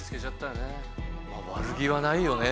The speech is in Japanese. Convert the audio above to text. まあ悪気はないよね